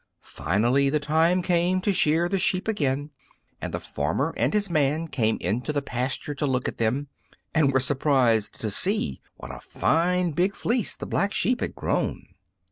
Finally the time came to shear the sheep again, and the farmer and his man came into the pasture to look at them, and were surprised to see what a fine, big fleece the Black Sheep had grown.